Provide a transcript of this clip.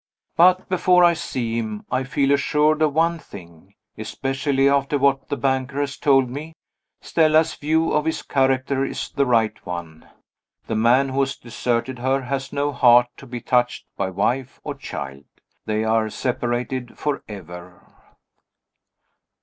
But, before I see him, I feel assured of one thing especially after what the banker has told me. Stella's view of his character is the right one. The man who has deserted her has no heart to be touched by wife or child. They are separated forever.